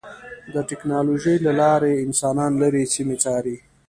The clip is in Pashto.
د ټکنالوجۍ له لارې انسانان لرې سیمې څاري.